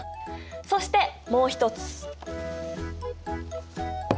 そしてもう一つ！